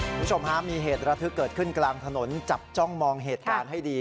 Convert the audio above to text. คุณผู้ชมฮะมีเหตุระทึกเกิดขึ้นกลางถนนจับจ้องมองเหตุการณ์ให้ดี